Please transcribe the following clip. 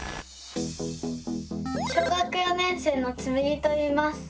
小学４年生のつむぎといいます。